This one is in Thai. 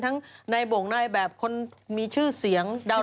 ทั้งในโบร์กหน้าแบบคนมีชื่อเสียงดารา